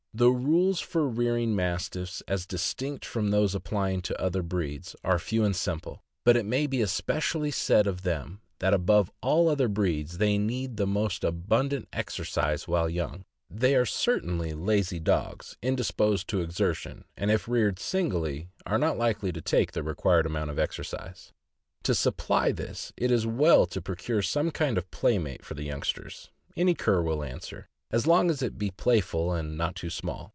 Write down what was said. The rules for rearing Mastiffs, as distinct from those applying to other breeds, are few and simple, but it may be especially said of them that above all other breeds they need the most abundant exercise while young. They are certainly lazy dogs, indisposed to exertion, and if reared singly are not likely to take the required amount of exercise. To supply this it is well to procure some kind of playmate for the youngsters; any cur will answer, as long as it be playful and not too small.